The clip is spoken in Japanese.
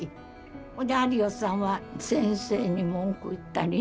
それで有吉さんは先生に文句言ったりね。